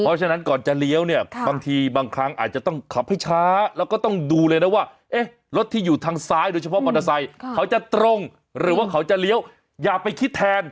เพราะฉะนั้นก่อนจะเลี้ยวเนี่ยบางทีบางครั้งอาจจะต้องขับให้ช้าแล้วก็ต้องดูเลยนะว่ารถที่อยู่ทางซ้ายโดยเฉพาะมอเตอร์ไซค์เขาจะตรงหรือว่าเขาจะเลี้ยวอย่าไปคิดแทน